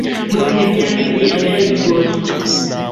Mu bihe bya Bibiliya byaribigoye